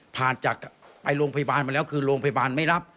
จากไปโรงพยาบาลมาแล้วคือโรงพยาบาลไม่รับ